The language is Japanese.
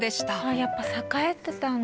やっぱ栄えてたんだ。